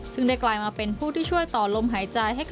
ซึ่งได้กลายมาเป็นผู้ที่ช่วยต่อลมหายใจ